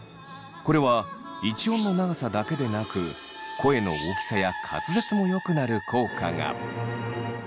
これは一音の長さだけでなく声の大きさや滑舌もよくなる効果が。